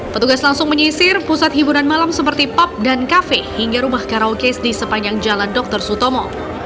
petugas langsung menyisir pusat hiburan malam seperti pup dan kafe hingga rumah karaokes di sepanjang jalan dr sutomo